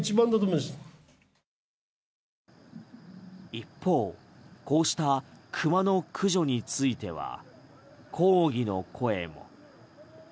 一方こうしたクマの駆除については抗議の声も。